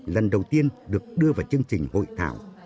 lần đầu tiên được đưa vào chương trình hội thảo